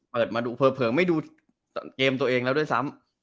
เคยเพิ่งไม่ดูเกมตัวเองแล้วด้วยซ้ำ